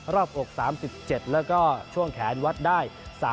บอก๓๗แล้วก็ช่วงแขนวัดได้